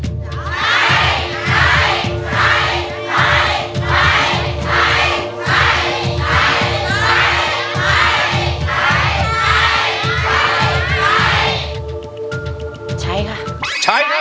ใช่ใช่ใช่ใช่ใช่ใช่ใช่ใช่ใช่